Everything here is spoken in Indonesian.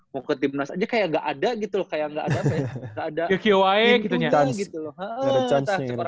mau ke timnas aja kayak gak ada gitu loh kayak gak ada apa ya